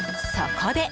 そこで！